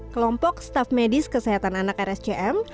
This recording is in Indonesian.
kelompok staf medis kesehatan anak rscm